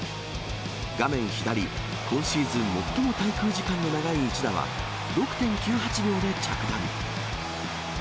画面左、今シーズン最も滞空時間の長い一打は、６．９８秒で着弾。